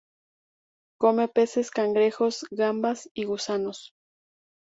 Come peces, cangrejos, gambas y gusanos.